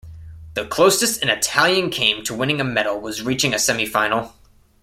The closest an Italian came to winning a medal was reaching a semifinal.